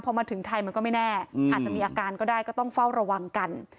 พอมาถึงไทยมันก็ไม่แน่อาจจะมีอาการก็ได้ก็ต้องเฝ้าระวังกัน